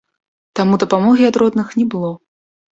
Таму дапамогі ад родных не было.